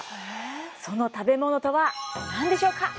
その食べ物とは何でしょうか？